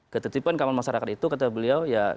ketertiban keamanan masyarakat itu kata beliau ya